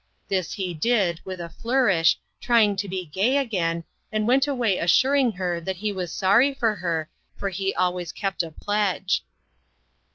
This he did with a flourish, trying to be gay again, and went away assuring her that he was sorry for her, for he always kept a pledge.